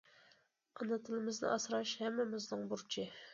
ئانا تىلىمىزنى ئاسراش ھەممىمىزنىڭ بۇرچى.